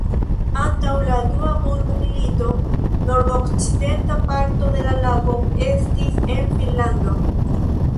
Antaŭ la dua mondmilito nordokcidenta parto de la lago estis en Finnlando.